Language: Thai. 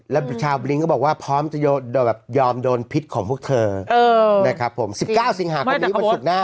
แล้วชาวบลิ้งก็บอกว่าพร้อมจะยอมโดนพิษของพวกเธอนะครับผม๑๙สิงหาคมนี้วันศุกร์หน้า